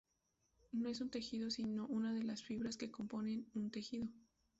No es un tejido sino una de las fibras que componen un tejido.